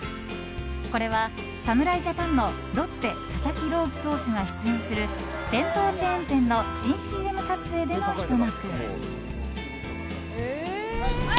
これは侍ジャパンのロッテ佐々木朗希投手が出演する弁当チェーン店の新ＣＭ撮影でのひと幕。